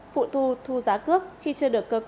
phụ thu thu giá cước khi chưa được